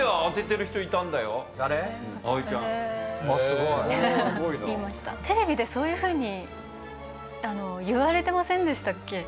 すごい。テレビでそういうふうに言われてませんでしたっけ？